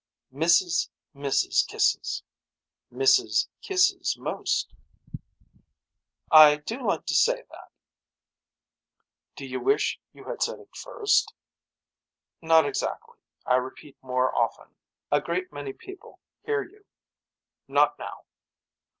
Mrs. misses kisses. Misses kisses most. I do like to say that. Do you wish you had said it first. Not exactly. I repeat more often. A great many people hear you. Not now.